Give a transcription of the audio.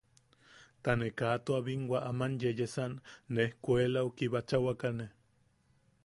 Ta ne kaa tua binwa aman yeyesan nee ejkuelau kibachawakane.